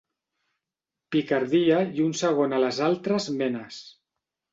Picardia i un segon a les altres menes.